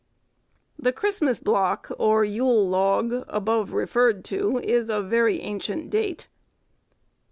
The Christmas block or Yule log, above referred to, is of very ancient date.